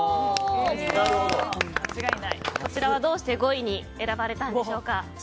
こちらはどうして５位に選ばれたんでしょうか。